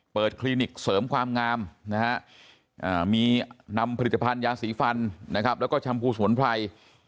คลินิกเสริมความงามนะฮะมีนำผลิตภัณฑ์ยาสีฟันนะครับแล้วก็ชมพูสมุนไพร